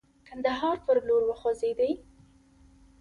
کندهار پر لور وخوځېدی.